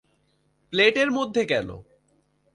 প্লেটের মধ্যে কেনো?